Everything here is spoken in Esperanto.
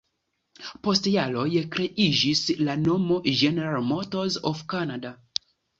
Post jaroj kreiĝis la nomo "General Motors of Canada".